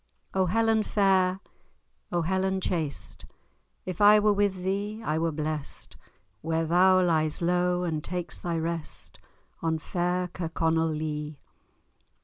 O Helen fair! O Helen chaste! If I were with thee, I were blest, Where thou lies low, and takes thy rest, On fair Kirkconnell Lee.